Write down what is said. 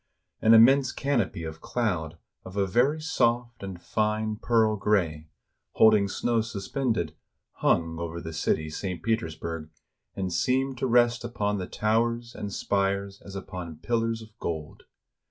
An immense canopy of cloud of a very soft and fine pearl gray, holding snow suspended, hung over the city [St. Petersburg], and seemed to rest upon the towers and spires as upon pillars of gold.